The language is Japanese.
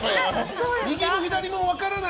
右も左も分からない